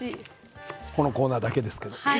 このコーナーだけですけれど。